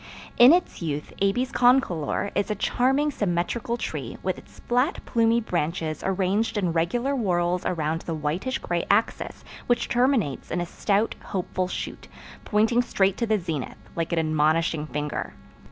In its youth A. concolor is a charmingly symmetrical tree with its flat plumy branches arranged in regular whorls around the whitish gray axis which terminates in a stout, hopeful shoot, pointing straight to the zenith, like an admonishing finger.